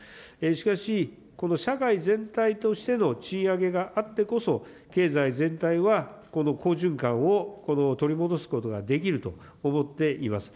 しかし、この社会全体としての賃上げがあってこそ、経済全体はこの好循環を、この取り戻すことができると思っています。